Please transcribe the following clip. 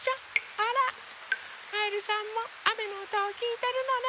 あらカエルさんもあめのおとをきいてるのね。